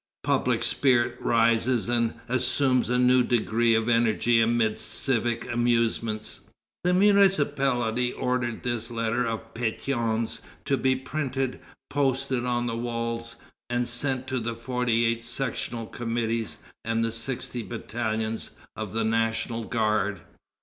Public spirit rises and assumes a new degree of energy amidst civic amusements." The municipality ordered this letter of Pétion's to be printed, posted on the walls, and sent to the forty eight sectional committees and the sixty battalions of the National Guard.